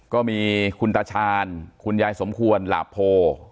ก็มีคุณตาชาญคุณยายสมควรหลาโพ